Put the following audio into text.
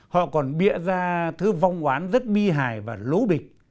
họ còn bịa ra thứ vong oán rất mi hài và lố bịch